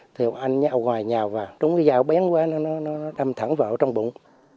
thì ông anh nhào hoài nhào vào trúng cái dao bén qua nó đâm thẳng vào trong bụng